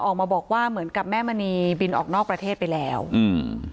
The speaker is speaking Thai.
ออกมาบอกว่าเหมือนกับแม่มณีบินออกนอกประเทศไปแล้วอืม